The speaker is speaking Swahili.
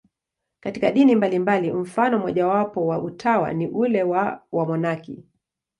Katika dini mbalimbali, mfano mmojawapo wa utawa ni ule wa wamonaki.